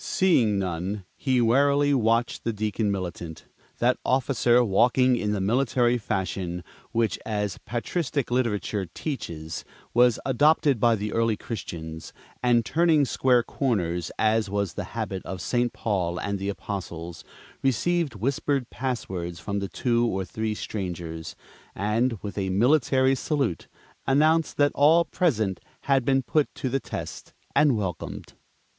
Seeing none, he warily watched the Deacon Militant. That officer, walking in the military fashion which, as patristic literature teaches, was adopted by the early Christians, and turning square corners, as was the habit of St. Paul and the Apostles, received whispered passwords from the two or three strangers, and, with a military salute, announced that all present had been put to the test and welcomed.